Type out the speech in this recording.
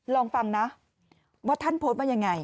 ลองฟังนะว่าท่านโพสต์ว่ายังไง